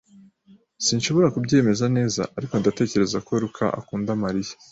Sinshobora kubyemeza neza, ariko ndatekereza ko Luka akunda Mariya.